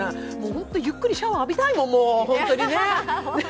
本当にゆっくりシャワー浴びたいもんね、ホントにね。